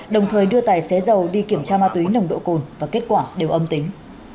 đồng thời đưa tài xế giàu đi kiểm tra ma túy nồng độ cồn và kết quả đều âm tính